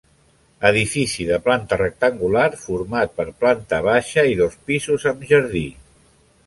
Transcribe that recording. Edifici de planta rectangular format per planta baixa i dos pisos, amb jardí.